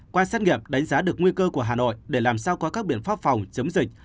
qua xét nghiệm đánh giá được nguy cơ của hà nội để làm sao có các biện pháp phòng chống dịch